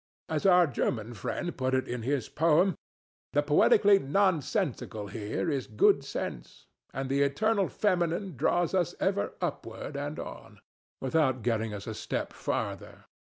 As our German friend put it in his poem, "the poetically nonsensical here is good sense; and the Eternal Feminine draws us ever upward and on" without getting us a step farther.